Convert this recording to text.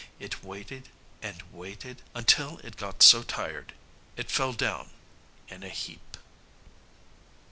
It waited and waited until it go so tired it fell down in a heap.